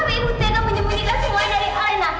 tapi ibu tenang menyembunyikan semua ini dari alena